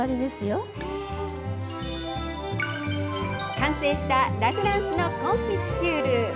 完成したラ・フランスのコンフィチュール。